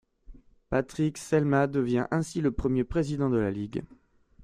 Patrick Celma devient ainsi le premier président de la ligue.